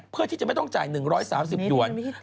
เพื่อที่จะไม่ต้องจ่าย๑๓๐ด่วน